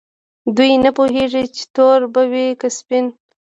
دوی نه پوهیږي چې تور به وي که سپین.